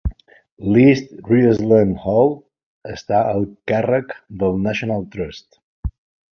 L'East Riddlesden Hall està al càrrec del National Trust.